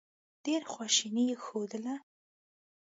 ډېره خواشیني یې ښودله.